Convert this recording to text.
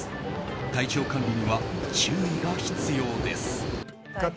体調管理には注意が必要です。